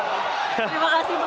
terima kasih pak